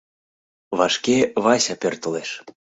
Вашке Вася пӧртылеш.